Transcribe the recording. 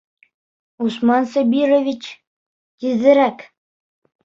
Усман Сабирович, тиҙерәк!